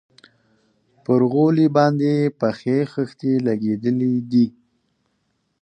پر غولي باندې يې پخې خښتې لگېدلي دي.